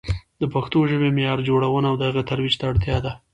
د پښتو ژبې معیار جوړونه او د هغې ترویج ته اړتیا ده.